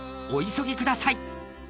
［お急ぎください］